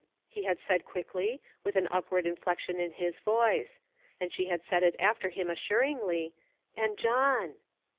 he had said quickly, with an upward inflection in his voice. And she had said it after him assuringly : "And John."